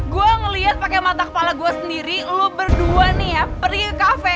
gue ngelihat pakai mata kepala gue sendiri lu berdua nih ya pergi ke kafe